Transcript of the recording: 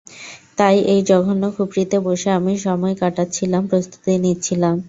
তাই এই জঘন্য খুপড়িতে বসে আমি সময় কাটাচ্ছিলাম, প্রস্তুতি নিচ্ছিলাম।